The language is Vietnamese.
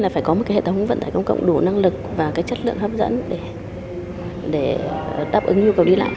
phải có một hệ thống vận tải công cộng đủ năng lực và chất lượng hấp dẫn để đáp ứng nhu cầu đi lại